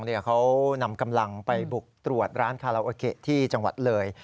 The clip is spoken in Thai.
เขานำกำลังไปบุกตรวจร้านคาราโอเกะที่จังหวัดเลย